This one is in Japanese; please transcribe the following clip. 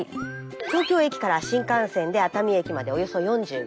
東京駅から新幹線で熱海駅までおよそ４５分。